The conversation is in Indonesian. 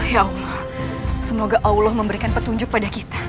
ya allah semoga allah memberikan petunjuk pada kita